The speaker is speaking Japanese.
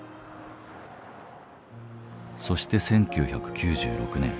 そして１９９６年。